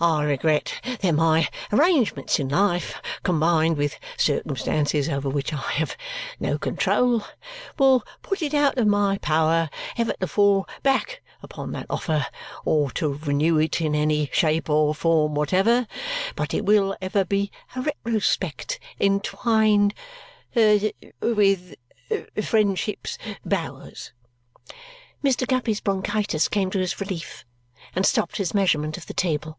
I regret that my arrangements in life, combined with circumstances over which I have no control, will put it out of my power ever to fall back upon that offer or to renew it in any shape or form whatever, but it will ever be a retrospect entwined er with friendship's bowers." Mr. Guppy's bronchitis came to his relief and stopped his measurement of the table.